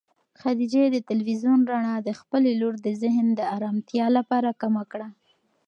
خدیجې د تلویزون رڼا د خپلې لور د ذهن د ارامتیا لپاره کمه کړه.